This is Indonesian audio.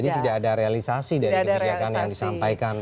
jadi tidak ada realisasi dari kebijakan yang disampaikan